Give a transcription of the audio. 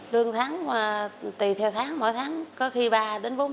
lương tháng tùy theo tháng mỗi tháng có khi ba đến bốn